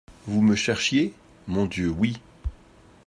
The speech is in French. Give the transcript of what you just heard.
Vous me cherchiez ? Mon Dieu, oui.